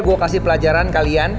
gue kasih pelajaran kalian